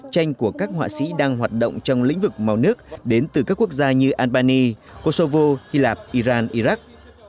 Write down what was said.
tranh của các họa sĩ đang hoạt động trong lĩnh vực màu nước đến từ các quốc gia như albany kosovo hy lạp iran iraq